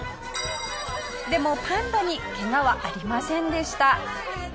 でもパンダにケガはありませんでした。